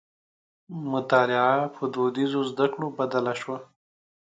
مطالعه په دودیزو زدکړو بدله شوه.